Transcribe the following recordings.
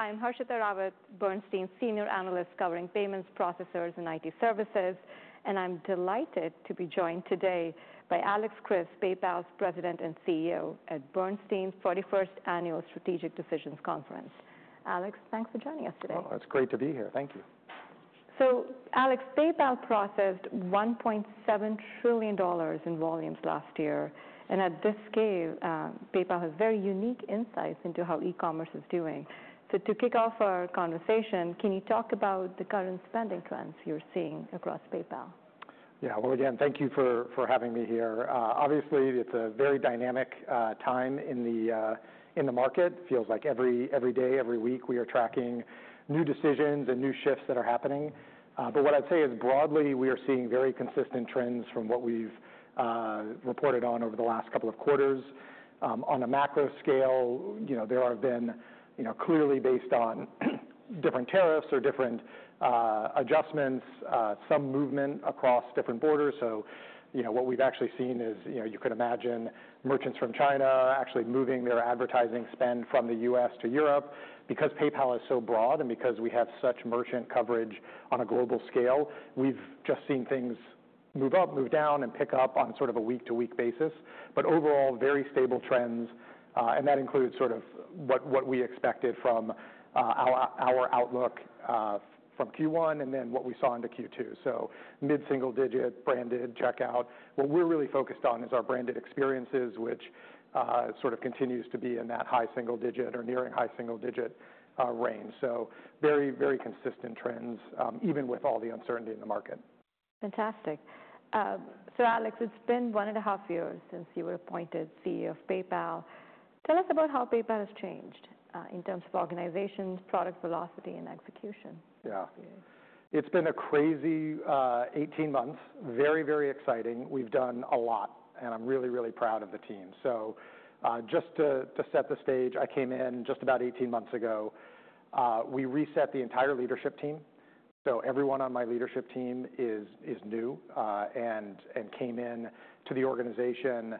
I'm Harshita Rawat, Bernstein's Senior Analyst covering payments, processors, and IT services, and I'm delighted to be joined today by Alex Chriss, PayPal's President and CEO at Bernstein's 41st Annual Strategic Decisions Conference. Alex, thanks for joining us today. It's great to be here. Thank you. So, Alex, PayPal processed $1.7 trillion in volumes last year, and at this scale, PayPal has very unique insights into how e-commerce is doing. To kick off our conversation, can you talk about the current spending trends you're seeing across PayPal? Yeah, again, thank you for having me here. Obviously, it's a very dynamic time in the market. It feels like every day, every week, we are tracking new decisions and new shifts that are happening. What I'd say is, broadly, we are seeing very consistent trends from what we've reported on over the last couple of quarters. On a macro scale, there have been, clearly based on different tariffs or different adjustments, some movement across different borders. What we've actually seen is, you could imagine merchants from China actually moving their advertising spend from the US to Europe. Because PayPal is so broad and because we have such merchant coverage on a global scale, we've just seen things move up, move down, and pick up on sort of a week-to-week basis. Overall, very stable trends, and that includes sort of what we expected from our outlook from Q1 and then what we saw into Q2. Mid-single digit, branded checkout. What we're really focused on is our branded experiences, which sort of continues to be in that high single digit or nearing high single digit range. Very, very consistent trends, even with all the uncertainty in the market. Fantastic. Alex, it has been one and a half years since you were appointed CEO of PayPal. Tell us about how PayPal has changed in terms of organization, product velocity, and execution. Yeah, it's been a crazy 18 months, very, very exciting. We've done a lot, and I'm really, really proud of the team. Just to set the stage, I came in just about 18 months ago. We reset the entire leadership team. Everyone on my leadership team is new and came into the organization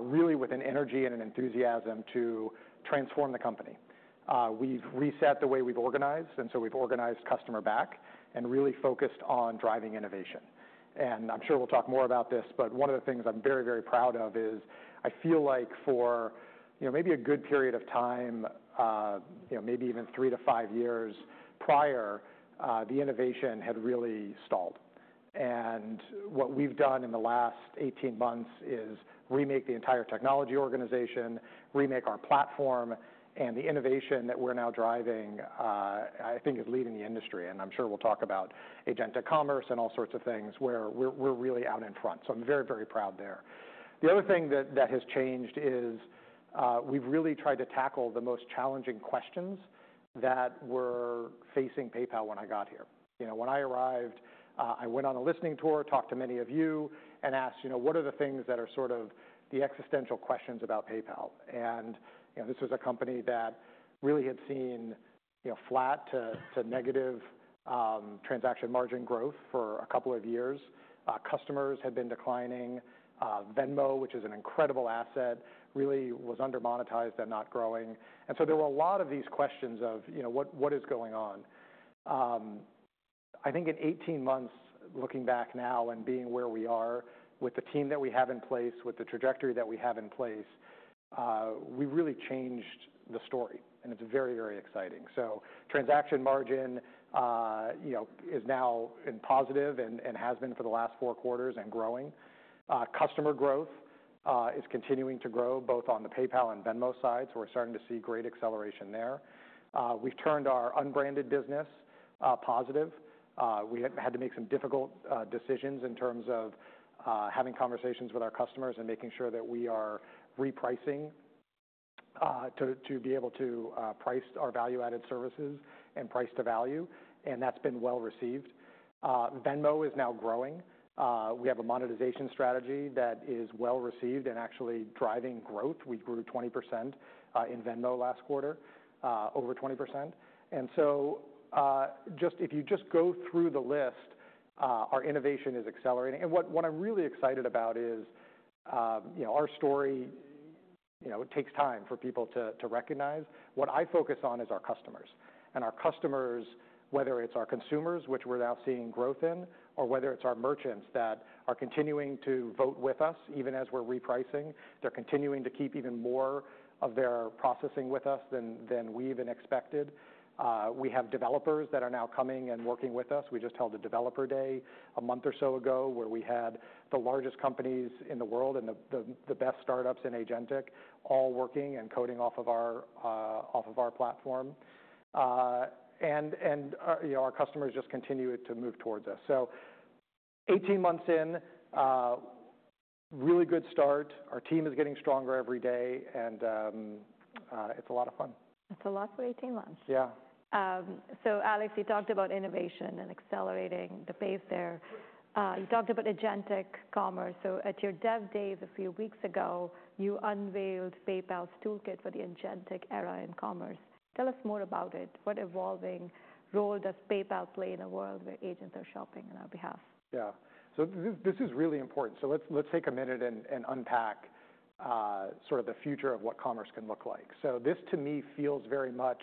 really with an energy and an enthusiasm to transform the company. We've reset the way we've organized, and we've organized customer back and really focused on driving innovation. I'm sure we'll talk more about this, but one of the things I'm very, very proud of is I feel like for maybe a good period of time, maybe even three to five years prior, the innovation had really stalled. What we have done in the last 18 months is remake the entire technology organization, remake our platform, and the innovation that we are now driving, I think, is leading the industry. I am sure we will talk about agentic commerce and all sorts of things where we are really out in front. I am very, very proud there. The other thing that has changed is we have really tried to tackle the most challenging questions that were facing PayPal when I got here. When I arrived, I went on a listening tour, talked to many of you, and asked, what are the things that are sort of the existential questions about PayPal? This was a company that really had seen flat to negative transaction margin growth for a couple of years. Customers had been declining. Venmo, which is an incredible asset, really was undermonetized and not growing. There were a lot of these questions of, what is going on? I think in 18 months, looking back now and being where we are with the team that we have in place, with the trajectory that we have in place, we really changed the story, and it's very, very exciting. Transaction margin is now in positive and has been for the last four quarters and growing. Customer growth is continuing to grow both on the PayPal and Venmo side, so we're starting to see great acceleration there. We've turned our unbranded business positive. We had to make some difficult decisions in terms of having conversations with our customers and making sure that we are repricing to be able to price our value-added services and price to value, and that's been well received. Venmo is now growing. We have a monetization strategy that is well received and actually driving growth. We grew 20% in Venmo last quarter, over 20%. If you just go through the list, our innovation is accelerating. What I'm really excited about is our story takes time for people to recognize. What I focus on is our customers. Our customers, whether it's our consumers, which we're now seeing growth in, or whether it's our merchants that are continuing to vote with us even as we're repricing, they're continuing to keep even more of their processing with us than we even expected. We have developers that are now coming and working with us. We just held a developer day a month or so ago where we had the largest companies in the world and the best startups in agentic all working and coding off of our platform. Our customers just continue to move towards us. Eighteen months in, really good start. Our team is getting stronger every day, and it's a lot of fun. That's a lot for 18 months. Yeah. Alex, you talked about innovation and accelerating the pace there. You talked about agentic commerce. At your dev days a few weeks ago, you unveiled PayPal's toolkit for the agentic era in commerce. Tell us more about it. What evolving role does PayPal play in a world where agents are shopping on our behalf? Yeah, so this is really important. Let's take a minute and unpack sort of the future of what commerce can look like. This to me feels very much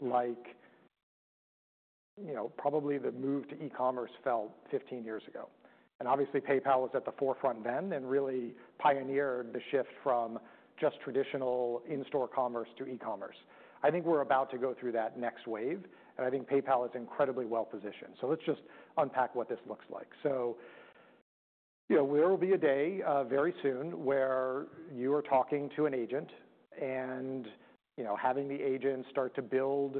like probably the move to e-commerce felt 15 years ago. Obviously, PayPal was at the forefront then and really pioneered the shift from just traditional in-store commerce to e-commerce. I think we're about to go through that next wave, and I think PayPal is incredibly well positioned. Let's just unpack what this looks like. There will be a day very soon where you are talking to an agent and having the agent start to build,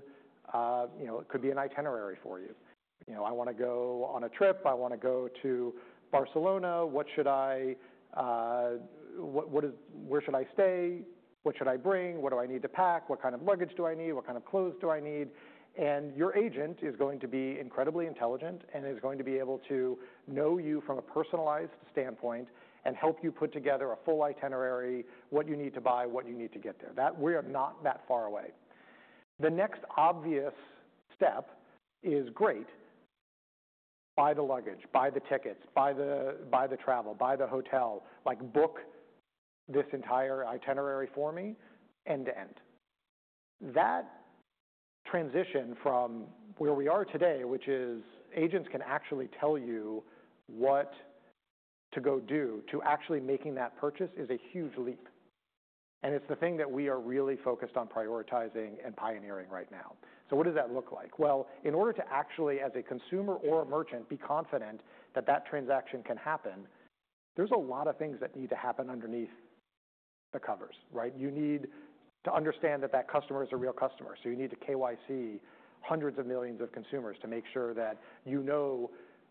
it could be an itinerary for you. I want to go on a trip. I want to go to Barcelona. Where should I stay? What should I bring? What do I need to pack? What kind of luggage do I need? What kind of clothes do I need? Your agent is going to be incredibly intelligent and is going to be able to know you from a personalized standpoint and help you put together a full itinerary, what you need to buy, what you need to get there. We are not that far away. The next obvious step is, great, buy the luggage, buy the tickets, buy the travel, buy the hotel, book this entire itinerary for me end to end. That transition from where we are today, which is agents can actually tell you what to go do to actually making that purchase, is a huge leap. It is the thing that we are really focused on prioritizing and pioneering right now. What does that look like? In order to actually, as a consumer or a merchant, be confident that that transaction can happen, there's a lot of things that need to happen underneath the covers. You need to understand that that customer is a real customer. You need to KYC hundreds of millions of consumers to make sure that you know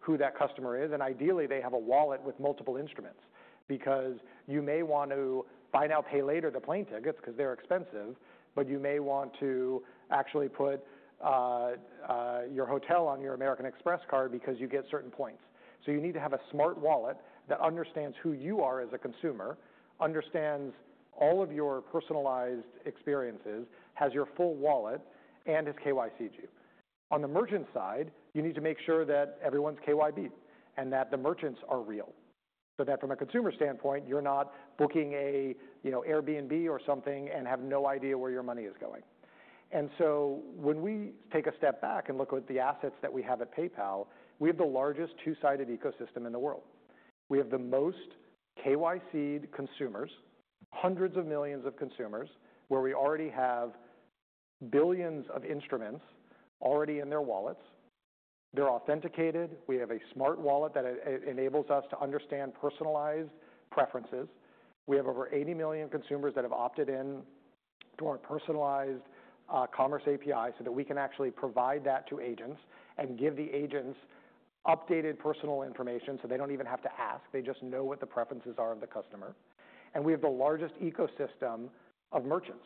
who that customer is. Ideally, they have a wallet with multiple instruments because you may want to buy now, pay later the plane tickets because they're expensive, but you may want to actually put your hotel on your American Express card because you get certain points. You need to have a smart wallet that understands who you are as a consumer, understands all of your personalized experiences, has your full wallet, and has KYC'd you. On the merchant side, you need to make sure that everyone's KYB and that the merchants are real, so that from a consumer standpoint, you're not booking an Airbnb or something and have no idea where your money is going. When we take a step back and look at the assets that we have at PayPal, we have the largest two-sided ecosystem in the world. We have the most KYC'd consumers, hundreds of millions of consumers, where we already have billions of instruments already in their wallets. They're authenticated. We have a smart wallet that enables us to understand personalized preferences. We have over 80 million consumers that have opted in to our personalized commerce API so that we can actually provide that to agents and give the agents updated personal information so they do not even have to ask. They just know what the preferences are of the customer. We have the largest ecosystem of merchants.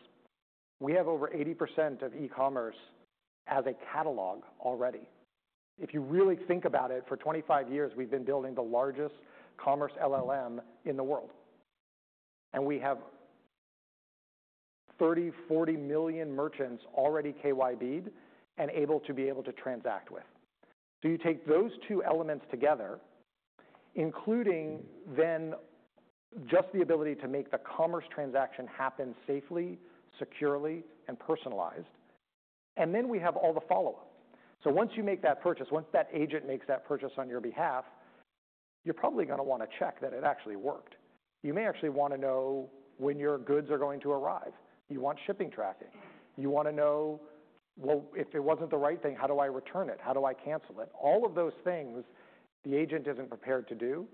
We have over 80% of e-commerce as a catalog already. If you really think about it, for 25 years, we have been building the largest commerce LLM in the world. We have 30-40 million merchants already KYB'd and able to be able to transact with. You take those two elements together, including then just the ability to make the commerce transaction happen safely, securely, and personalized. We have all the follow-up. Once you make that purchase, once that agent makes that purchase on your behalf, you are probably going to want to check that it actually worked. You may actually want to know when your goods are going to arrive. You want shipping tracking. You want to know, well, if it was not the right thing, how do I return it? How do I cancel it? All of those things the agent is not prepared to do,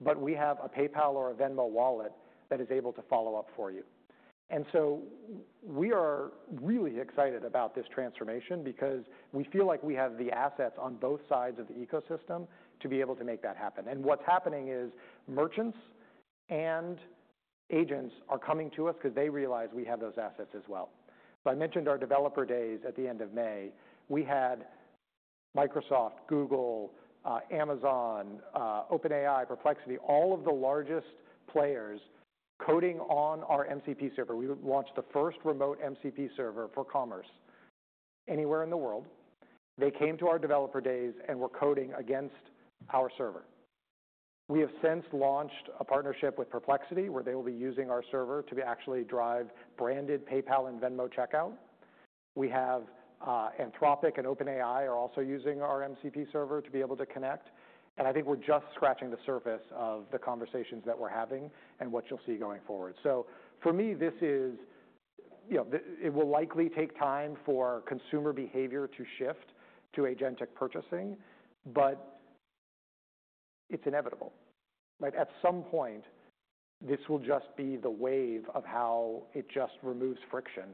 but we have a PayPal or a Venmo wallet that is able to follow up for you. We are really excited about this transformation because we feel like we have the assets on both sides of the ecosystem to be able to make that happen. What is happening is merchants and agents are coming to us because they realize we have those assets as well. I mentioned our developer days at the end of May. We had Microsoft, Google, Amazon, OpenAI, Perplexity, all of the largest players coding on our MCP server. We launched the first remote MCP server for commerce anywhere in the world. They came to our developer days and were coding against our server. We have since launched a partnership with Perplexity where they will be using our server to actually drive branded PayPal and Venmo checkout. We have Anthropic and OpenAI also using our MCP server to be able to connect. I think we're just scratching the surface of the conversations that we're having and what you'll see going forward. For me, it will likely take time for consumer behavior to shift to agentic purchasing, but it's inevitable. At some point, this will just be the wave of how it just removes friction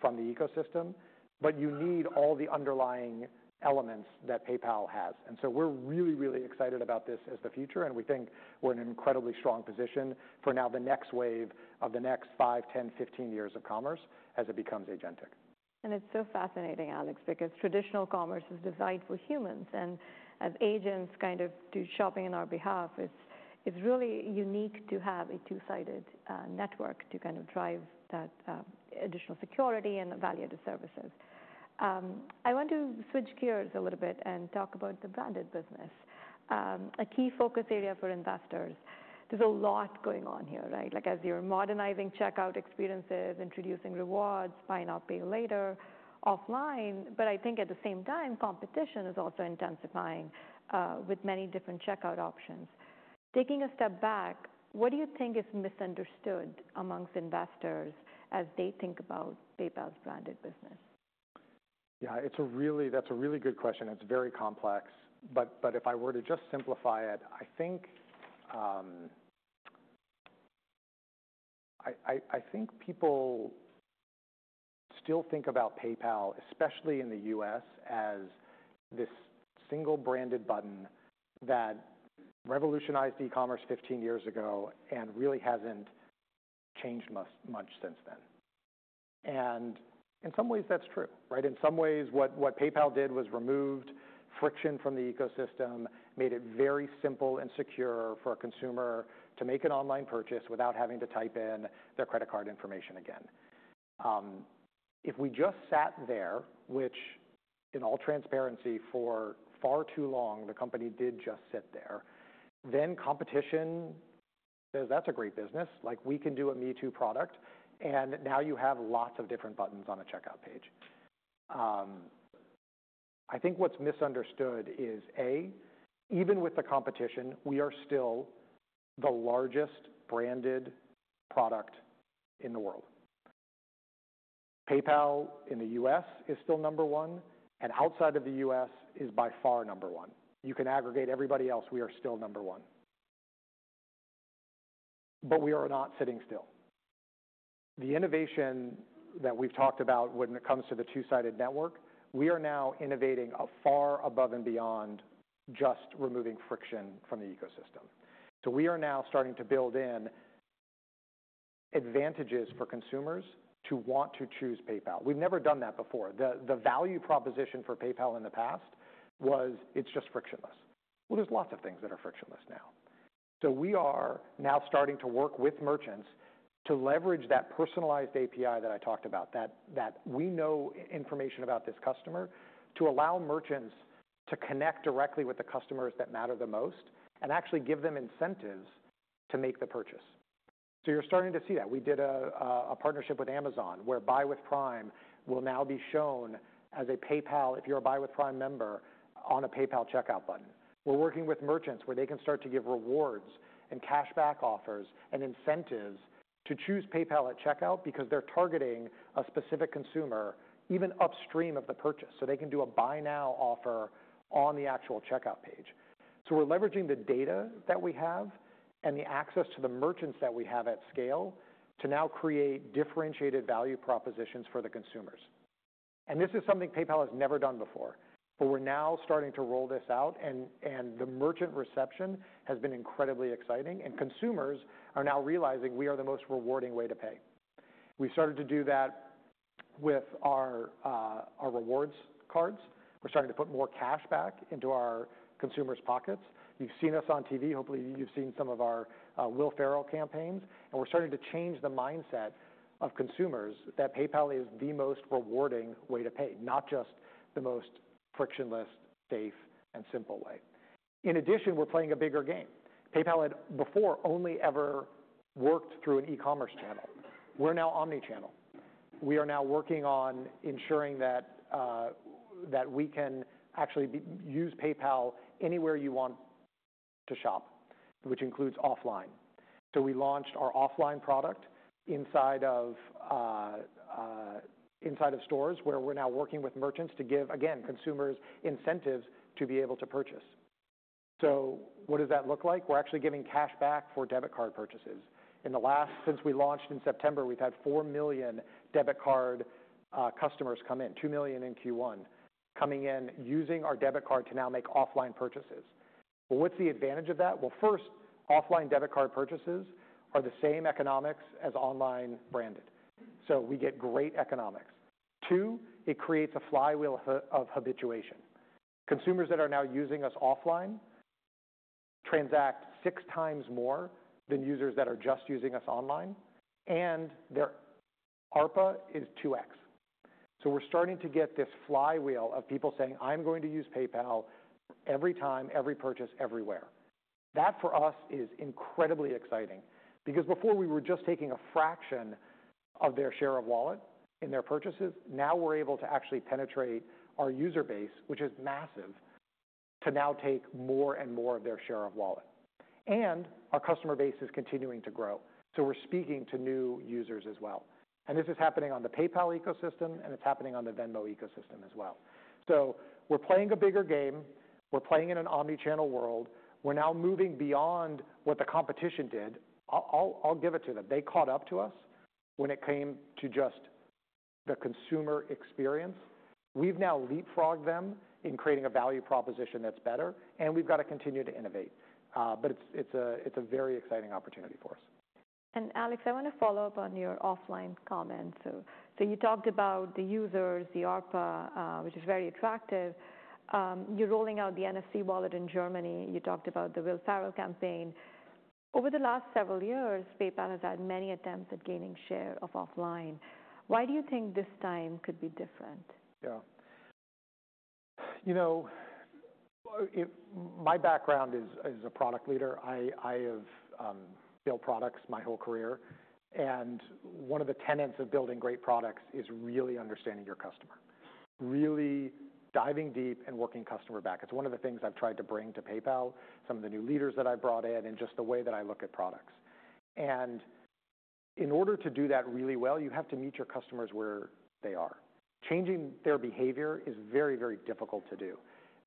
from the ecosystem, but you need all the underlying elements that PayPal has. We're really, really excited about this as the future, and we think we're in an incredibly strong position for now the next wave of the next 5, 10, 15 years of commerce as it becomes agentic. It's so fascinating, Alex, because traditional commerce is designed for humans, and as agents kind of do shopping on our behalf, it's really unique to have a two-sided network to kind of drive that additional security and value-added services. I want to switch gears a little bit and talk about the branded business. A key focus area for investors, there's a lot going on here, right? Like as you're modernizing checkout experiences, introducing rewards, Buy Now Pay Later offline, but I think at the same time, competition is also intensifying with many different checkout options. Taking a step back, what do you think is misunderstood amongst investors as they think about PayPal's branded business? Yeah, that's a really good question. It's very complex, but if I were to just simplify it, I think people still think about PayPal, especially in the US, as this single branded button that revolutionized e-commerce 15 years ago and really hasn't changed much since then. In some ways, that's true. In some ways, what PayPal did was remove friction from the ecosystem, made it very simple and secure for a consumer to make an online purchase without having to type in their credit card information again. If we just sat there, which in all transparency, for far too long, the company did just sit there, then competition says, "That's a great business. We can do a me-too product." Now you have lots of different buttons on a checkout page. I think what's misunderstood is, A, even with the competition, we are still the largest branded product in the world. PayPal in the U.S. is still number one, and outside of the U.S. is by far number one. You can aggregate everybody else. We are still number one. We are not sitting still. The innovation that we've talked about when it comes to the two-sided network, we are now innovating far above and beyond just removing friction from the ecosystem. We are now starting to build in advantages for consumers to want to choose PayPal. We've never done that before. The value proposition for PayPal in the past was, "It's just frictionless." There are lots of things that are frictionless now. We are now starting to work with merchants to leverage that personalized API that I talked about, that we know information about this customer to allow merchants to connect directly with the customers that matter the most and actually give them incentives to make the purchase. You're starting to see that. We did a partnership with Amazon where Buy with Prime will now be shown as a PayPal, if you're a Buy with Prime member, on a PayPal checkout button. We're working with merchants where they can start to give rewards and cashback offers and incentives to choose PayPal at checkout because they're targeting a specific consumer even upstream of the purchase. They can do a buy now offer on the actual checkout page. We're leveraging the data that we have and the access to the merchants that we have at scale to now create differentiated value propositions for the consumers. This is something PayPal has never done before, but we're now starting to roll this out, and the merchant reception has been incredibly exciting. Consumers are now realizing we are the most rewarding way to pay. We've started to do that with our rewards cards. We're starting to put more cash back into our consumers' pockets. You've seen us on TV. Hopefully, you've seen some of our Will Ferrell campaigns. We're starting to change the mindset of consumers that PayPal is the most rewarding way to pay, not just the most frictionless, safe, and simple way. In addition, we're playing a bigger game. PayPal had before only ever worked through an e-commerce channel. We're now omnichannel. We are now working on ensuring that we can actually use PayPal anywhere you want to shop, which includes offline. We launched our offline product inside of stores where we're now working with merchants to give, again, consumers incentives to be able to purchase. What does that look like? We're actually giving cash back for debit card purchases. In the last, since we launched in September, we've had 4 million debit card customers come in, 2 million in Q1, coming in using our debit card to now make offline purchases. What's the advantage of that? First, offline debit card purchases are the same economics as online branded. We get great economics. Two, it creates a flywheel of habituation. Consumers that are now using us offline transact six times more than users that are just using us online, and their ARPA is 2x. We're starting to get this flywheel of people saying, "I'm going to use PayPal every time, every purchase, everywhere." That, for us, is incredibly exciting because before we were just taking a fraction of their share of wallet in their purchases. Now we're able to actually penetrate our user base, which is massive, to now take more and more of their share of wallet. Our customer base is continuing to grow. We're speaking to new users as well. This is happening on the PayPal ecosystem, and it's happening on the Venmo ecosystem as well. We're playing a bigger game. We're playing in an omnichannel world. We're now moving beyond what the competition did. I'll give it to them. They caught up to us when it came to just the consumer experience. We've now leapfrogged them in creating a value proposition that's better, and we've got to continue to innovate. It is a very exciting opportunity for us. Alex, I want to follow up on your offline comments. You talked about the users, the ARPA, which is very attractive. You're rolling out the NFC wallet in Germany. You talked about the Will Ferrell campaign. Over the last several years, PayPal has had many attempts at gaining share of offline. Why do you think this time could be different? Yeah. You know, my background is a product leader. I have built products my whole career. And one of the tenets of building great products is really understanding your customer, really diving deep and working customer back. It's one of the things I've tried to bring to PayPal, some of the new leaders that I brought in, and just the way that I look at products. In order to do that really well, you have to meet your customers where they are. Changing their behavior is very, very difficult to do.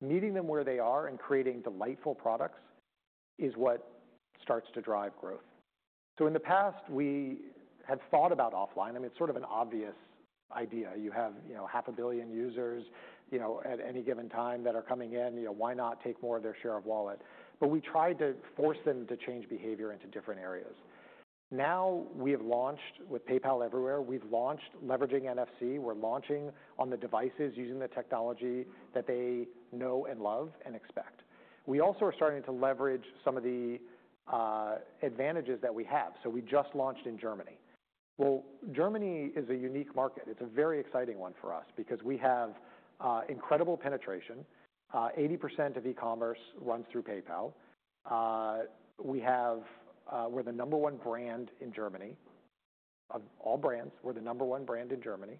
Meeting them where they are and creating delightful products is what starts to drive growth. In the past, we had thought about offline. I mean, it's sort of an obvious idea. You have half a billion users at any given time that are coming in. Why not take more of their share of wallet? We tried to force them to change behavior into different areas. Now we have launched with PayPal Everywhere. We've launched leveraging NFC. We're launching on the devices using the technology that they know and love and expect. We also are starting to leverage some of the advantages that we have. We just launched in Germany. Germany is a unique market. It's a very exciting one for us because we have incredible penetration. 80% of e-commerce runs through PayPal. We're the number one brand in Germany. Of all brands, we're the number one brand in Germany.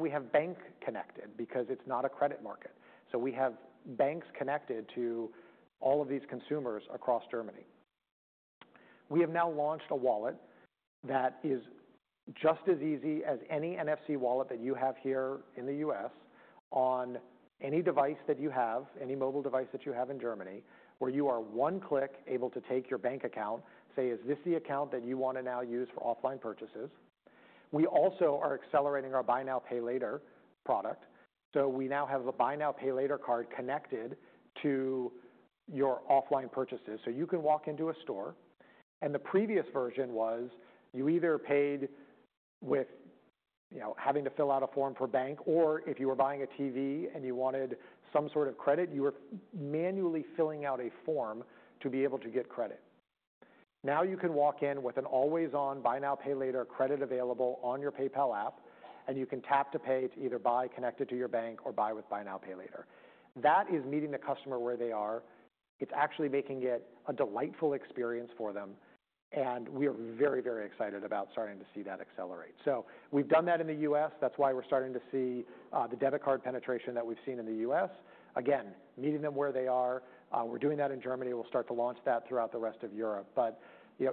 We have bank connected because it's not a credit market. We have banks connected to all of these consumers across Germany. We have now launched a wallet that is just as easy as any NFC wallet that you have here in the US on any device that you have, any mobile device that you have in Germany, where you are one click able to take your bank account, say, "Is this the account that you want to now use for offline purchases?" We also are accelerating our Buy Now Pay Later product. We now have a Buy Now Pay Later card connected to your offline purchases. You can walk into a store. The previous version was you either paid with having to fill out a form for bank, or if you were buying a TV and you wanted some sort of credit, you were manually filling out a form to be able to get credit. Now you can walk in with an always-on Buy Now Pay Later credit available on your PayPal app, and you can tap to pay to either buy connected to your bank or buy with Buy Now Pay Later. That is meeting the customer where they are. It's actually making it a delightful experience for them. We are very, very excited about starting to see that accelerate. We've done that in the U.S. That's why we're starting to see the debit card penetration that we've seen in the U.S. Again, meeting them where they are. We're doing that in Germany. We'll start to launch that throughout the rest of Europe.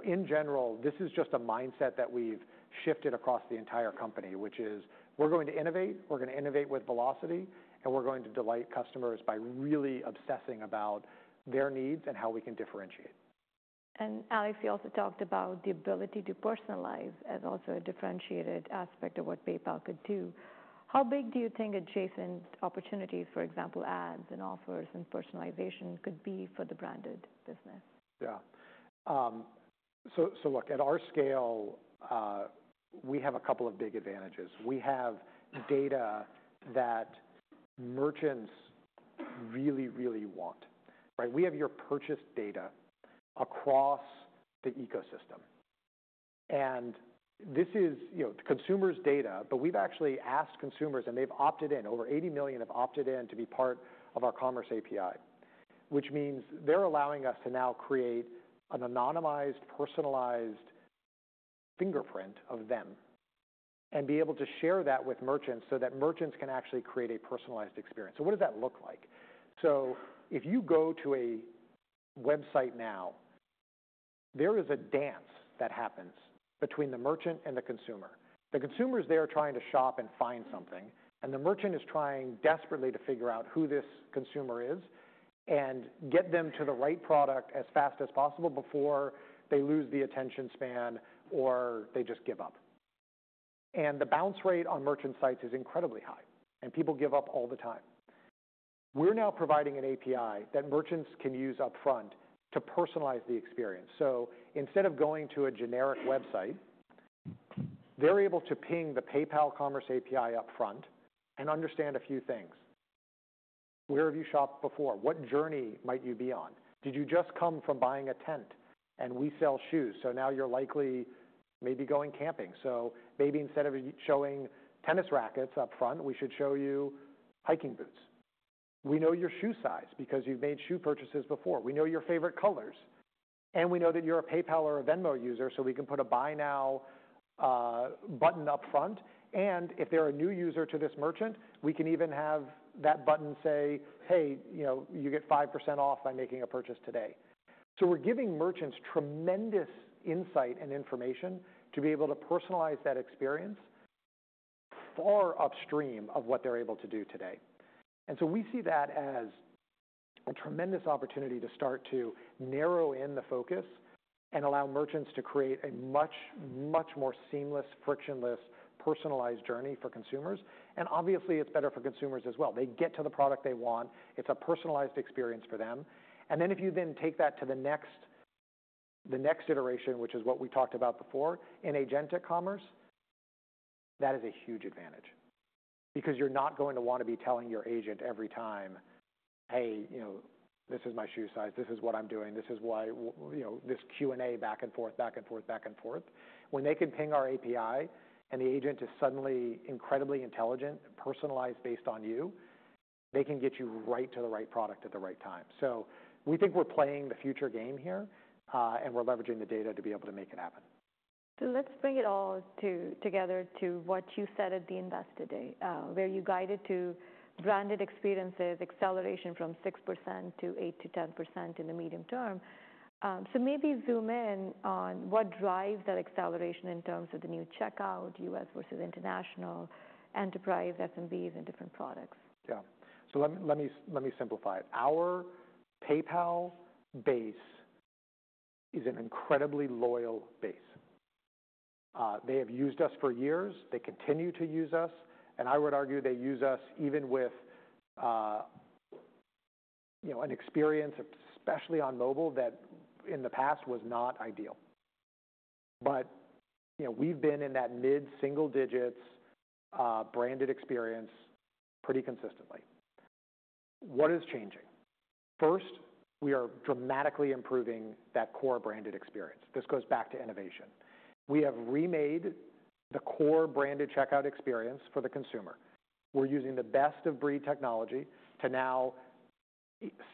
In general, this is just a mindset that we've shifted across the entire company, which is we're going to innovate. We're going to innovate with velocity, and we're going to delight customers by really obsessing about their needs and how we can differentiate. Alex, you also talked about the ability to personalize as also a differentiated aspect of what PayPal could do. How big do you think adjacent opportunities, for example, ads and offers and personalization could be for the branded business? Yeah. So, look, at our scale, we have a couple of big advantages. We have data that merchants really, really want. We have your purchase data across the ecosystem. And this is consumers' data, but we've actually asked consumers, and they've opted in. Over 80 million have opted in to be part of our commerce API, which means they're allowing us to now create an anonymized, personalized fingerprint of them and be able to share that with merchants so that merchants can actually create a personalized experience. So, what does that look like? If you go to a website now, there is a dance that happens between the merchant and the consumer. The consumer is there trying to shop and find something, and the merchant is trying desperately to figure out who this consumer is and get them to the right product as fast as possible before they lose the attention span or they just give up. The bounce rate on merchant sites is incredibly high, and people give up all the time. We are now providing an API that merchants can use upfront to personalize the experience. Instead of going to a generic website, they are able to ping the PayPal Commerce API upfront and understand a few things. Where have you shopped before? What journey might you be on? Did you just come from buying a tent? We sell shoes, so now you are likely maybe going camping. Maybe instead of showing tennis rackets upfront, we should show you hiking boots. We know your shoe size because you've made shoe purchases before. We know your favorite colors, and we know that you're a PayPal or a Venmo user, so we can put a buy now button upfront. If they're a new user to this merchant, we can even have that button say, "Hey, you get 5% off by making a purchase today." We are giving merchants tremendous insight and information to be able to personalize that experience far upstream of what they're able to do today. We see that as a tremendous opportunity to start to narrow in the focus and allow merchants to create a much, much more seamless, frictionless, personalized journey for consumers. Obviously, it's better for consumers as well. They get to the product they want. It's a personalized experience for them. If you then take that to the next iteration, which is what we talked about before in agentic commerce, that is a huge advantage because you're not going to want to be telling your agent every time, "Hey, this is my shoe size. This is what I'm doing. This is why this Q&A back and forth, back and forth, back and forth. When they can ping our API and the agent is suddenly incredibly intelligent, personalized based on you, they can get you right to the right product at the right time. We think we're playing the future game here, and we're leveraging the data to be able to make it happen. Let's bring it all together to what you said at the investor day, where you guided to branded experiences, acceleration from 6% to 8% to 10% in the medium term. Maybe zoom in on what drives that acceleration in terms of the new checkout, US versus international, enterprise, SMBs, and different products. Yeah. Let me simplify it. Our PayPal base is an incredibly loyal base. They have used us for years. They continue to use us. I would argue they use us even with an experience, especially on mobile, that in the past was not ideal. We have been in that mid-single digits branded experience pretty consistently. What is changing? First, we are dramatically improving that core branded experience. This goes back to innovation. We have remade the core branded checkout experience for the consumer. We are using the best of breed technology to now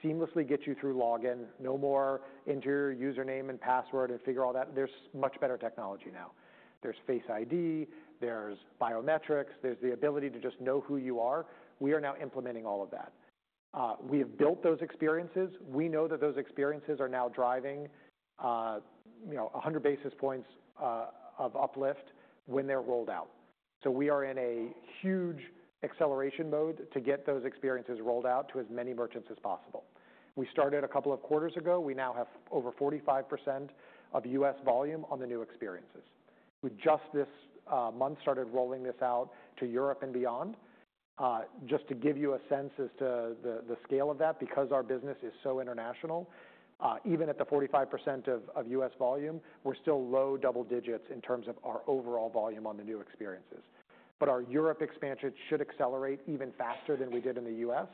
seamlessly get you through login. No more enter your username and password and figure all that. There is much better technology now. There is Face ID. There is biometrics. There is the ability to just know who you are. We are now implementing all of that. We have built those experiences. We know that those experiences are now driving 100 basis points of uplift when they're rolled out. We are in a huge acceleration mode to get those experiences rolled out to as many merchants as possible. We started a couple of quarters ago. We now have over 45% of US volume on the new experiences. We just this month started rolling this out to Europe and beyond. Just to give you a sense as to the scale of that, because our business is so international, even at the 45% of US volume, we're still low double digits in terms of our overall volume on the new experiences. Our Europe expansion should accelerate even faster than we did in the US.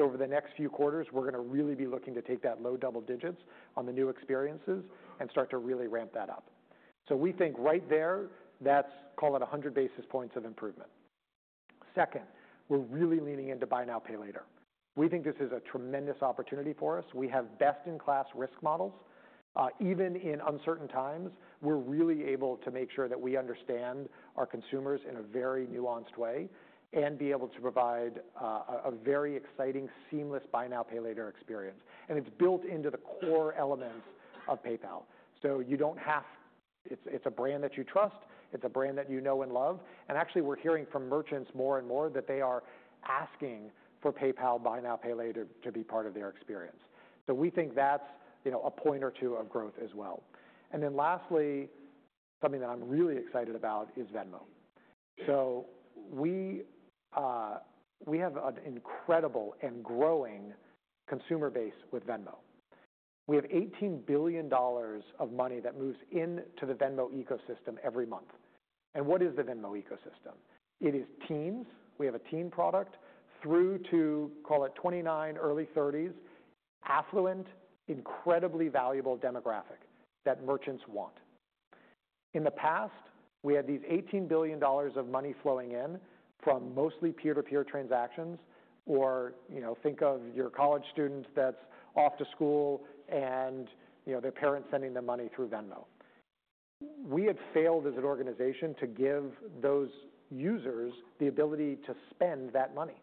Over the next few quarters, we're going to really be looking to take that low double digits on the new experiences and start to really ramp that up. We think right there, that's, call it, 100 basis points of improvement. Second, we're really leaning into Buy Now Pay Later. We think this is a tremendous opportunity for us. We have best-in-class risk models. Even in uncertain times, we're really able to make sure that we understand our consumers in a very nuanced way and be able to provide a very exciting, seamless Buy Now Pay Later experience. And it's built into the core elements of PayPal. You don't have, it's a brand that you trust. It's a brand that you know and love. Actually, we're hearing from merchants more and more that they are asking for PayPal Buy Now Pay Later to be part of their experience. We think that's a point or two of growth as well. Lastly, something that I'm really excited about is Venmo. We have an incredible and growing consumer base with Venmo. We have $18 billion of money that moves into the Venmo ecosystem every month. What is the Venmo ecosystem? It is teams. We have a team product through to, call it 29, early 30s, affluent, incredibly valuable demographic that merchants want. In the past, we had these $18 billion of money flowing in from mostly peer-to-peer transactions, or think of your college student that's off to school and their parents sending them money through Venmo. We had failed as an organization to give those users the ability to spend that money.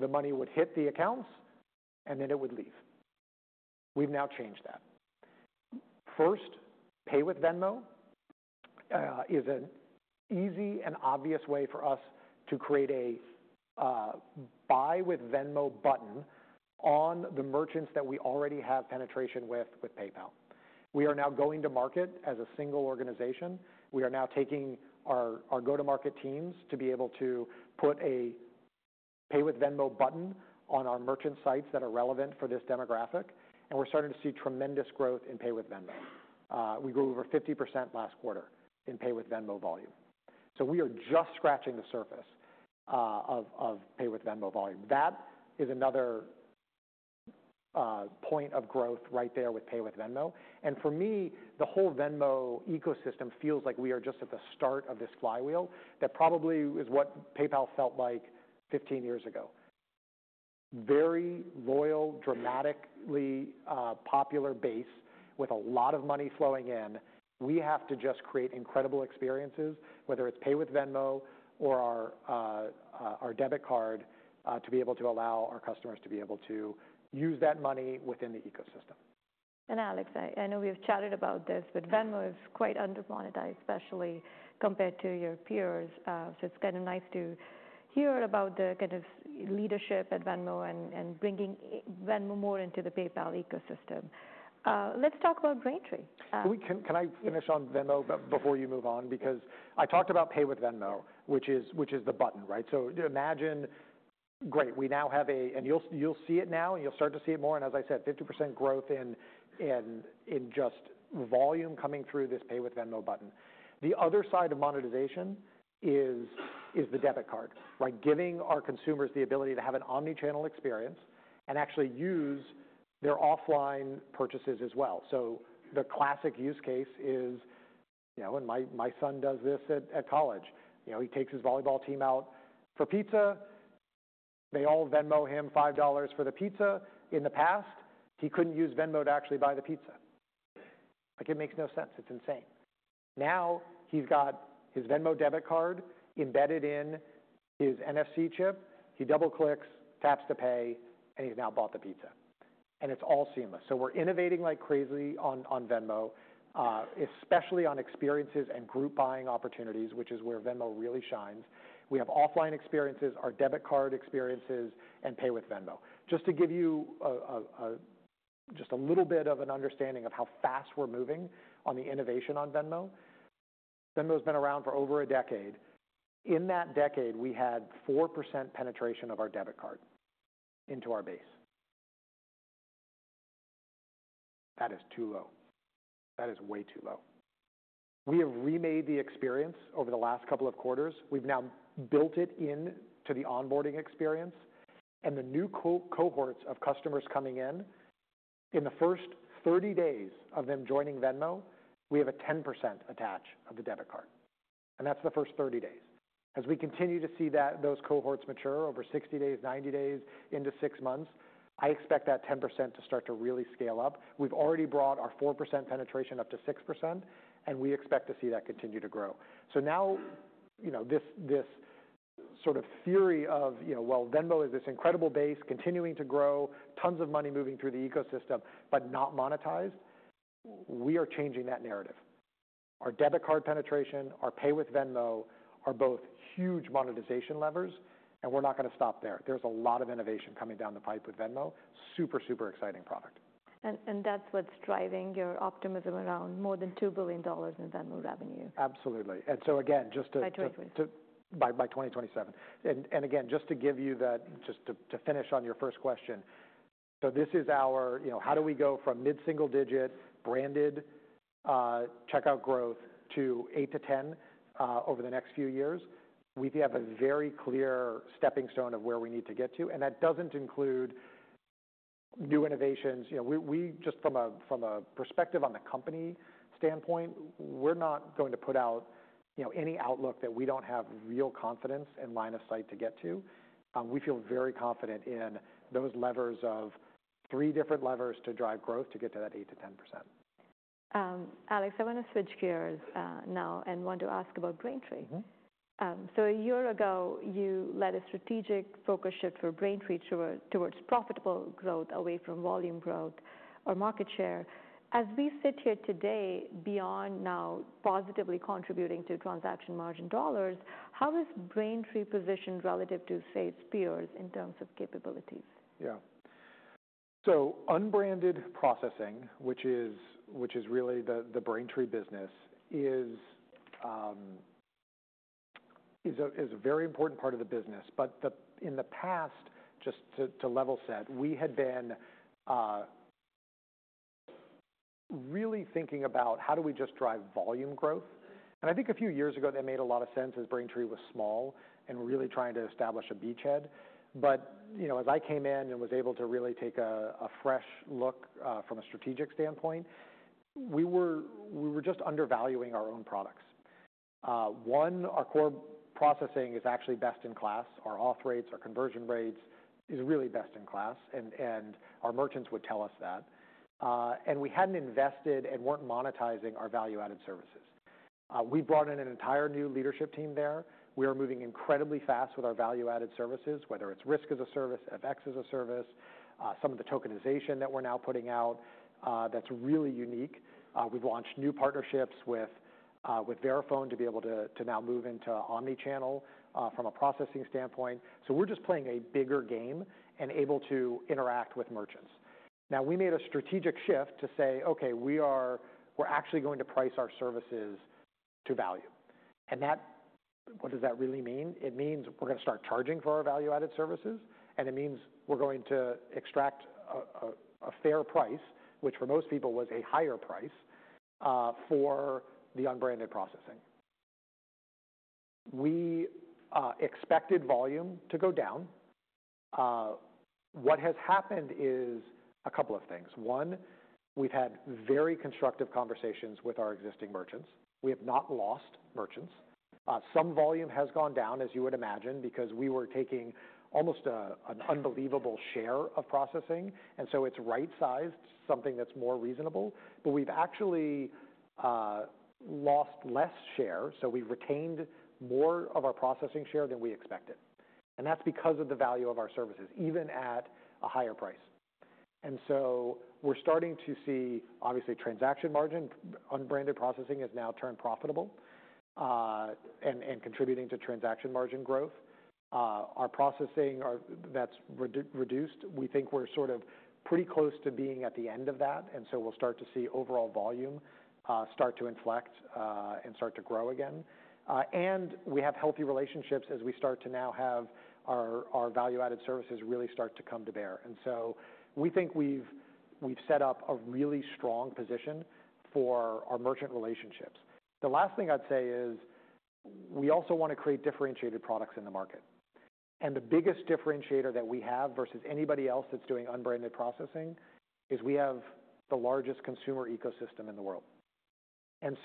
The money would hit the accounts, and then it would leave. We have now changed that. First, Pay with Venmo is an easy and obvious way for us to create a Pay with Venmo button on the merchants that we already have penetration with with PayPal. We are now going to market as a single organization. We are now taking our go-to-market teams to be able to put a Pay with Venmo button on our merchant sites that are relevant for this demographic. We are starting to see tremendous growth in Pay with Venmo. We grew over 50% last quarter in Pay with Venmo volume. We are just scratching the surface of Pay with Venmo volume. That is another point of growth right there with Pay with Venmo. For me, the whole Venmo ecosystem feels like we are just at the start of this flywheel that probably is what PayPal felt like 15 years ago. Very loyal, dramatically popular base with a lot of money flowing in. We have to just create incredible experiences, whether it is Pay with Venmo or our debit card, to be able to allow our customers to be able to use that money within the ecosystem. Alex, I know we've chatted about this, but Venmo is quite undermonitized, especially compared to your peers. It is kind of nice to hear about the kind of leadership at Venmo and bringing Venmo more into the PayPal ecosystem. Let's talk about Braintree. Can I finish on Venmo before you move on? Because I talked about Pay with Venmo, which is the button, right? Imagine, great, we now have a, and you will see it now, and you will start to see it more. As I said, 50% growth in just volume coming through this Pay with Venmo button. The other side of monetization is the debit card, giving our consumers the ability to have an omnichannel experience and actually use their offline purchases as well. The classic use case is, and my son does this at college. He takes his volleyball team out for pizza. They all Venmo him $5 for the pizza. In the past, he could not use Venmo to actually buy the pizza. It makes no sense. It is insane. Now he has his Venmo Debit Card embedded in his NFC chip. He double-clicks, taps to pay, and he's now bought the pizza. It is all seamless. We are innovating like crazy on Venmo, especially on experiences and group buying opportunities, which is where Venmo really shines. We have offline experiences, our debit card experiences, and Pay with Venmo. Just to give you just a little bit of an understanding of how fast we are moving on the innovation on Venmo, Venmo has been around for over a decade. In that decade, we had 4% penetration of our debit card into our base. That is too low. That is way too low. We have remade the experience over the last couple of quarters. We have now built it into the onboarding experience. The new cohorts of customers coming in, in the first 30 days of them joining Venmo, we have a 10% attach of the debit card. That is the first 30 days. As we continue to see those cohorts mature over 60 days, 90 days, into six months, I expect that 10% to start to really scale up. We've already brought our 4% penetration up to 6%, and we expect to see that continue to grow. Now this sort of theory of, well, Venmo is this incredible base continuing to grow, tons of money moving through the ecosystem, but not monetized, we are changing that narrative. Our debit card penetration, our Pay with Venmo are both huge monetization levers, and we're not going to stop there. There's a lot of innovation coming down the pipe with Venmo. Super, super exciting product. That's what's driving your optimism around more than $2 billion in Venmo revenue. Absolutely. And so again, just to... By 2027. By 2027. Just to give you that, just to finish on your first question, this is our, how do we go from mid-single digit branded checkout growth to 8%-10% over the next few years? We have a very clear stepping stone of where we need to get to. That does not include new innovations. Just from a perspective on the company standpoint, we are not going to put out any outlook that we do not have real confidence and line of sight to get to. We feel very confident in those levers of three different levers to drive growth to get to that 8%-10%. Alex, I want to switch gears now and want to ask about Braintree. A year ago, you led a strategic focus shift for Braintree towards profitable growth away from volume growth or market share. As we sit here today, beyond now positively contributing to transaction margin dollars, how is Braintree positioned relative to, say, its peers in terms of capabilities? Yeah. Unbranded processing, which is really the Braintree business, is a very important part of the business. In the past, just to level set, we had been really thinking about how do we just drive volume growth. I think a few years ago, that made a lot of sense as Braintree was small and really trying to establish a beachhead. As I came in and was able to really take a fresh look from a strategic standpoint, we were just undervaluing our own products. One, our core processing is actually best in class. Our auth rates, our conversion rates are really best in class. Our merchants would tell us that. We hadn't invested and weren't monetizing our value-added services. We brought in an entire new leadership team there. We are moving incredibly fast with our value-added services, whether it's risk as a service, FX as a service, some of the tokenization that we're now putting out that's really unique. We've launched new partnerships with Verifone to be able to now move into omnichannel from a processing standpoint. We are just playing a bigger game and able to interact with merchants. Now, we made a strategic shift to say, okay, we are actually going to price our services to value. And what does that really mean? It means we're going to start charging for our value-added services. It means we're going to extract a fair price, which for most people was a higher price for the unbranded processing. We expected volume to go down. What has happened is a couple of things. One, we've had very constructive conversations with our existing merchants. We have not lost merchants. Some volume has gone down, as you would imagine, because we were taking almost an unbelievable share of processing. It is right-sized, something that is more reasonable. We have actually lost less share. We have retained more of our processing share than we expected. That is because of the value of our services, even at a higher price. We are starting to see, obviously, transaction margin. Unbranded processing has now turned profitable and is contributing to transaction margin growth. Our processing has reduced. We think we are pretty close to being at the end of that. We will start to see overall volume start to inflect and start to grow again. We have healthy relationships as we start to now have our value-added services really start to come to bear. We think we have set up a really strong position for our merchant relationships. The last thing I'd say is we also want to create differentiated products in the market. The biggest differentiator that we have versus anybody else that's doing unbranded processing is we have the largest consumer ecosystem in the world.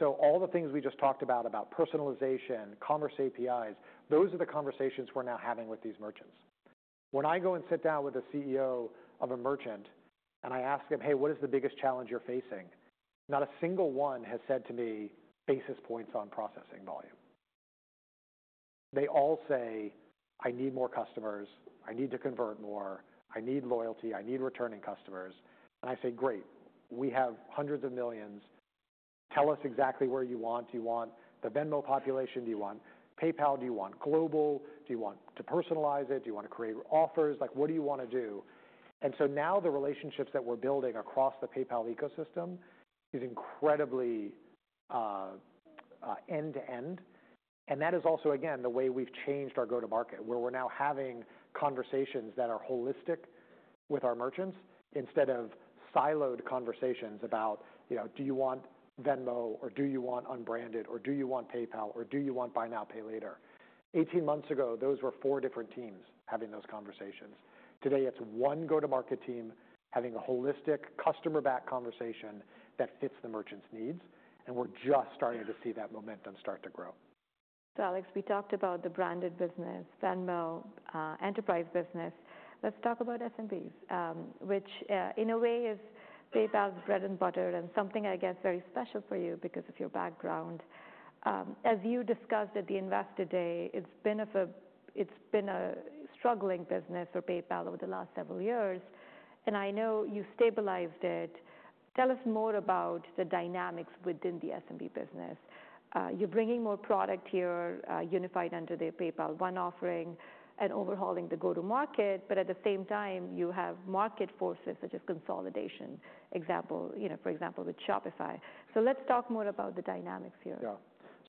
All the things we just talked about, about personalization, commerce APIs, those are the conversations we're now having with these merchants. When I go and sit down with the CEO of a merchant and I ask him, hey, what is the biggest challenge you're facing? Not a single one has said to me, basis points on processing volume. They all say, I need more customers. I need to convert more. I need loyalty. I need returning customers. I say, great. We have hundreds of millions. Tell us exactly where you want. Do you want the Venmo population? Do you want PayPal? Do you want global? Do you want to personalize it? Do you want to create offers? What do you want to do? Now the relationships that we're building across the PayPal ecosystem is incredibly end-to-end. That is also, again, the way we've changed our go-to-market, where we're now having conversations that are holistic with our merchants instead of siloed conversations about, do you want Venmo, or do you want unbranded, or do you want PayPal, or do you want Buy Now Pay Later? Eighteen months ago, those were four different teams having those conversations. Today, it's one go-to-market team having a holistic customer-backed conversation that fits the merchant's needs. We're just starting to see that momentum start to grow. Alex, we talked about the branded business, Venmo, enterprise business. Let's talk about SMBs, which in a way is PayPal's bread and butter and something, I guess, very special for you because of your background. As you discussed at the Investor Day, it's been a struggling business for PayPal over the last several years. I know you stabilized it. Tell us more about the dynamics within the SMBs business. You're bringing more product here, unified under the PayPal One offering and overhauling the go-to-market. At the same time, you have market forces such as consolidation, for example, with Shopify. Let's talk more about the dynamics here.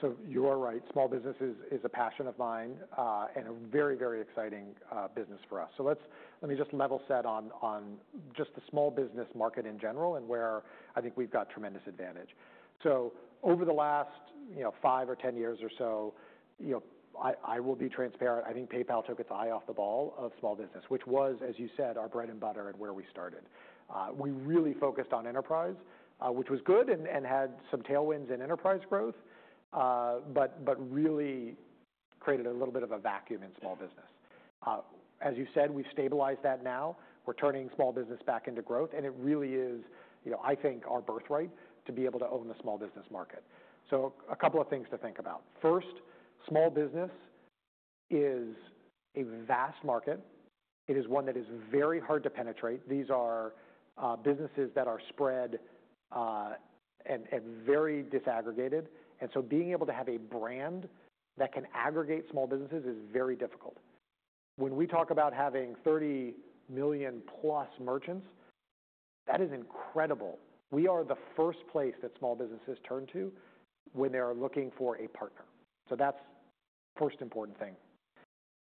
Yeah. You are right. Small business is a passion of mine and a very, very exciting business for us. Let me just level set on just the small business market in general and where I think we've got tremendous advantage. Over the last 5 or 10 years or so, I will be transparent. I think PayPal took its eye off the ball of small business, which was, as you said, our bread and butter and where we started. We really focused on enterprise, which was good and had some tailwinds in enterprise growth, but really created a little bit of a vacuum in small business. As you said, we've stabilized that now. We're turning small business back into growth. It really is, I think, our birthright to be able to own the small business market. A couple of things to think about. First, small business is a vast market. It is one that is very hard to penetrate. These are businesses that are spread and very disaggregated. Being able to have a brand that can aggregate small businesses is very difficult. When we talk about having 30 million plus merchants, that is incredible. We are the first place that small businesses turn to when they are looking for a partner. That's the first important thing.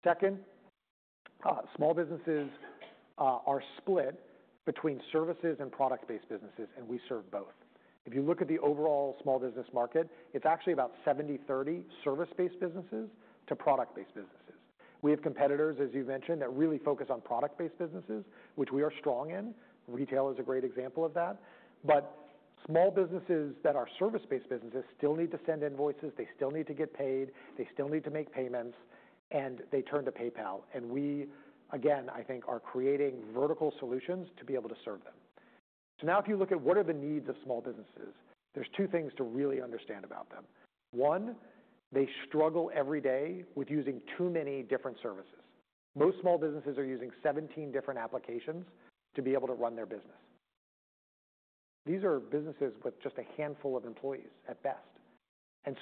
Second, small businesses are split between services and product-based businesses, and we serve both. If you look at the overall small business market, it's actually about 70-30 service-based businesses to product-based businesses. We have competitors, as you've mentioned, that really focus on product-based businesses, which we are strong in. Retail is a great example of that. Small businesses that are service-based businesses still need to send invoices. They still need to get paid. They still need to make payments. They turn to PayPal. We, again, I think, are creating vertical solutions to be able to serve them. Now, if you look at what are the needs of small businesses, there are two things to really understand about them. One, they struggle every day with using too many different services. Most small businesses are using 17 different applications to be able to run their business. These are businesses with just a handful of employees at best.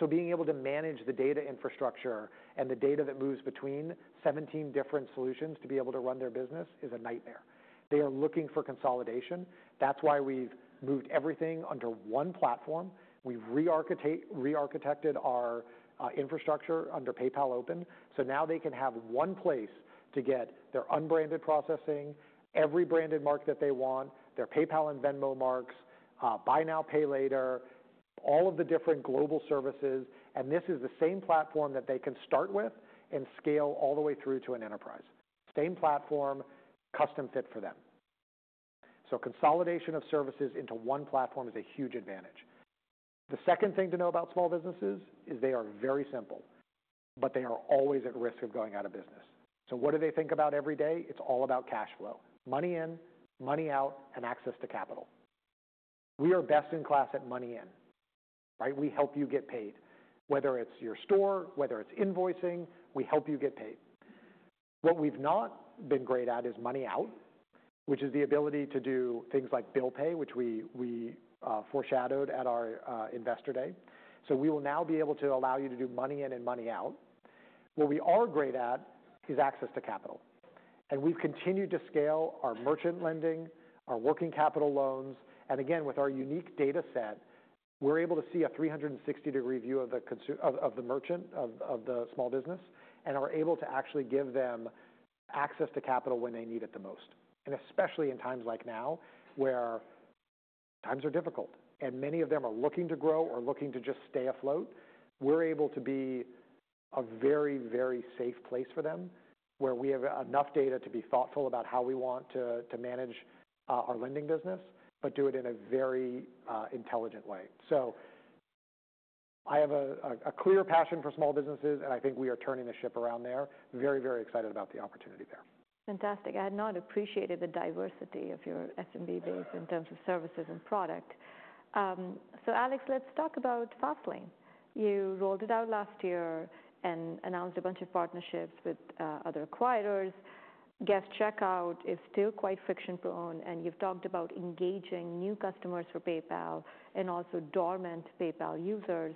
Being able to manage the data infrastructure and the data that moves between 17 different solutions to be able to run their business is a nightmare. They are looking for consolidation. That is why we have moved everything under one platform. We have rearchitected our infrastructure under PayPal Open. Now they can have one place to get their unbranded processing, every branded mark that they want, their PayPal and Venmo marks, Buy Now Pay Later, all of the different global services. This is the same platform that they can start with and scale all the way through to an enterprise. Same platform, custom fit for them. Consolidation of services into one platform is a huge advantage. The second thing to know about small businesses is they are very simple, but they are always at risk of going out of business. What do they think about every day? It's all about cash flow. Money in, money out, and access to capital. We are best in class at money in. We help you get paid, whether it's your store, whether it's invoicing. We help you get paid. What we've not been great at is money out, which is the ability to do things like bill pay, which we foreshadowed at our Investor Day. We will now be able to allow you to do money in and money out. What we are great at is access to capital. We've continued to scale our merchant lending, our working capital loans. Again, with our unique data set, we're able to see a 360-degree view of the merchant, of the small business, and are able to actually give them access to capital when they need it the most. Especially in times like now, where times are difficult and many of them are looking to grow or looking to just stay afloat, we're able to be a very, very safe place for them where we have enough data to be thoughtful about how we want to manage our lending business, but do it in a very intelligent way. I have a clear passion for small businesses, and I think we are turning the ship around there. Very, very excited about the opportunity there. Fantastic. I had not appreciated the diversity of your SMB base in terms of services and product. Alex, let's talk about Fastlane. You rolled it out last year and announced a bunch of partnerships with other acquirers. Guest checkout is still quite friction-prone. You have talked about engaging new customers for PayPal and also dormant PayPal users.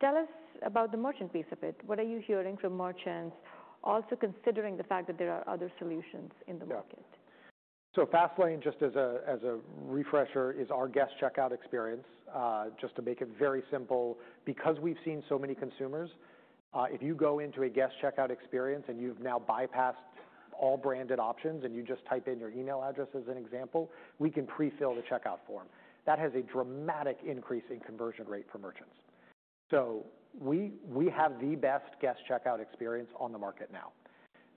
Tell us about the merchant piece of it. What are you hearing from merchants, also considering the fact that there are other solutions in the market? Fastlane, just as a refresher, is our guest checkout experience. Just to make it very simple, because we've seen so many consumers, if you go into a guest checkout experience and you've now bypassed all branded options and you just type in your email address as an example, we can prefill the checkout form. That has a dramatic increase in conversion rate for merchants. We have the best guest checkout experience on the market now.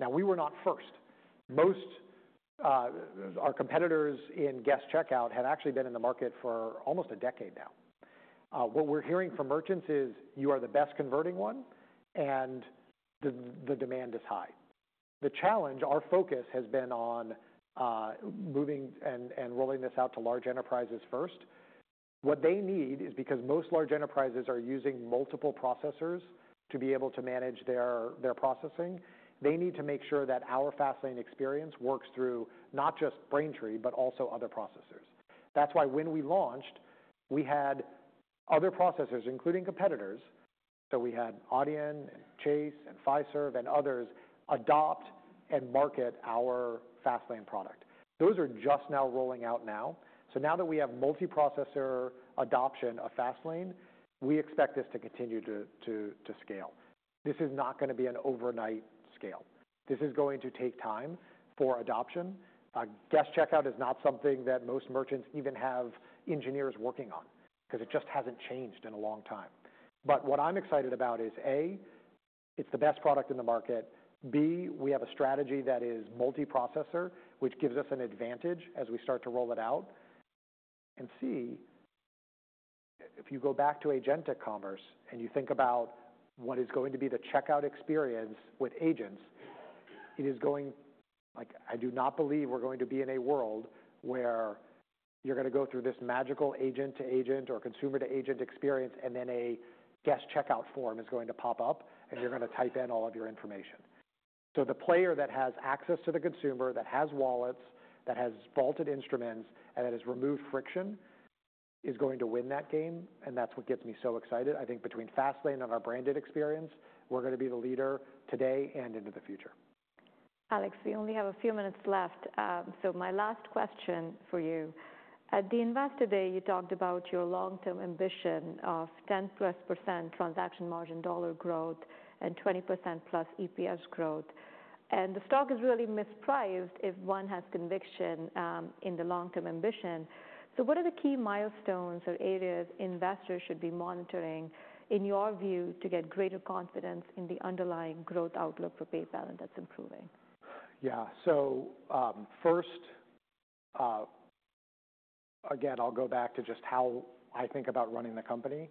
We were not first. Our competitors in guest checkout have actually been in the market for almost a decade now. What we're hearing from merchants is you are the best converting one, and the demand is high. The challenge, our focus has been on moving and rolling this out to large enterprises first. What they need is because most large enterprises are using multiple processors to be able to manage their processing. They need to make sure that our Fastlane experience works through not just Braintree, but also other processors. That's why when we launched, we had other processors, including competitors. So, we had Adyen and Chase and Fiserv and others adopt and market our Fastlane product. Those are just now rolling out now. Now that we have multi-processor adoption of Fastlane, we expect this to continue to scale. This is not going to be an overnight scale. This is going to take time for adoption. Guest checkout is not something that most merchants even have engineers working on because it just hasn't changed in a long time. What I'm excited about is, A, it's the best product in the market. B, we have a strategy that is multi-processor, which gives us an advantage as we start to roll it out. If you go back to Agentic commerce and you think about what is going to be the checkout experience with agents, it is going—I do not believe we're going to be in a world where you're going to go through this magical agent-to-agent or consumer-to-agent experience, and then a guest checkout form is going to pop up, and you're going to type in all of your information. The player that has access to the consumer, that has wallets, that has vaulted instruments, and that has removed friction is going to win that game. That is what gets me so excited. I think between Fastlane and our branded experience, we're going to be the leader today and into the future. Alex, we only have a few minutes left. My last question for you. At the Investor Day, you talked about your long-term ambition of 10%+ transaction margin dollar growth and 20%+ EPS growth. The stock is really mispriced if one has conviction in the long-term ambition. What are the key milestones or areas investors should be monitoring, in your view, to get greater confidence in the underlying growth outlook for PayPal and that is improving? Yeah. First, again, I'll go back to just how I think about running the company.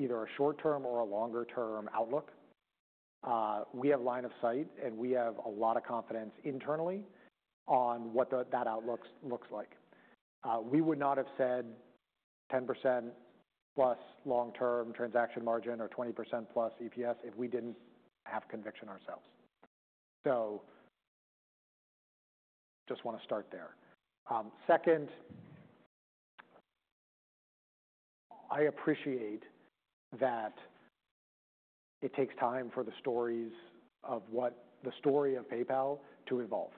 We have been very prudent in any time that we've given either a short-term or a longer-term outlook. We have line of sight, and we have a lot of confidence internally on what that outlook looks like. We would not have said 10%+ long-term transaction margin or 20%+ EPS if we didn't have conviction ourselves. Just want to start there. Second, I appreciate that it takes time for the stories of what the story of PayPal to evolve.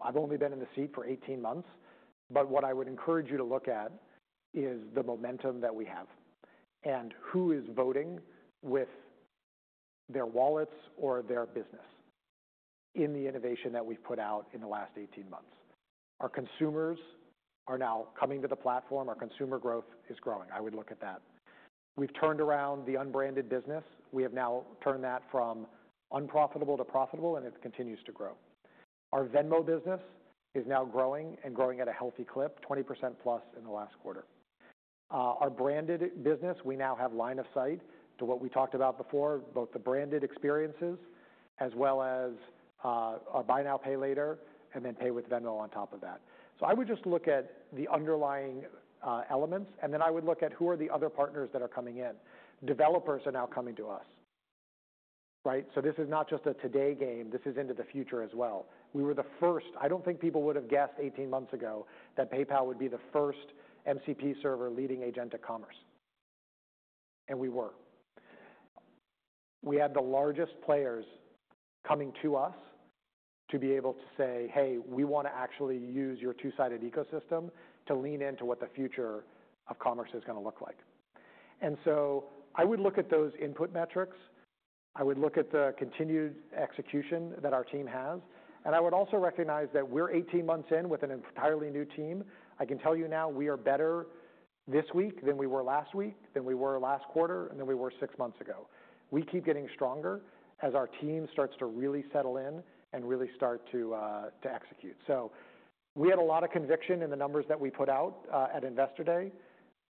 I've only been in the seat for 18 months, but what I would encourage you to look at is the momentum that we have and who is voting with their wallets or their business in the innovation that we've put out in the last 18 months. Our consumers are now coming to the platform. Our consumer growth is growing. I would look at that. We've turned around the unbranded business. We have now turned that from unprofitable to profitable, and it continues to grow. Our Venmo business is now growing and growing at a healthy clip, 20%+ in the last quarter. Our branded business, we now have line of sight to what we talked about before, both the branded experiences as well as Buy Now Pay Later, and then Pay with Venmo on top of that. I would just look at the underlying elements, and then I would look at who are the other partners that are coming in. Developers are now coming to us. This is not just a today game. This is into the future as well. We were the first. I don't think people would have guessed 18 months ago that PayPal would be the first MCP server leading agent to commerce. We were. We had the largest players coming to us to be able to say, "Hey, we want to actually use your two-sided ecosystem to lean into what the future of commerce is going to look like." I would look at those input metrics. I would look at the continued execution that our team has. I would also recognize that we're 18 months in with an entirely new team. I can tell you now we are better this week than we were last week, than we were last quarter, and than we were six months ago. We keep getting stronger as our team starts to really settle in and really start to execute. We had a lot of conviction in the numbers that we put out at Investor Day.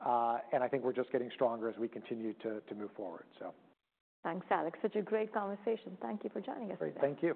I think we're just getting stronger as we continue to move forward. Thanks, Alex. Such a great conversation. Thank you for joining us today. Thank you.